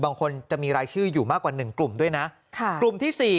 บางคนจะมีรายชื่ออยู่มากกว่าหนึ่งกลุ่มด้วยนะค่ะกลุ่มที่๔